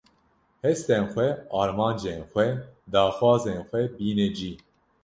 hestên xwe, armancên xwe, daxwazên xwe bîne cî.